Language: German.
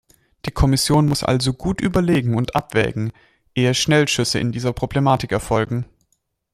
Die Kommission muss also gut überlegen und abwägen, ehe Schnellschüsse in dieser Problematik erfolgen.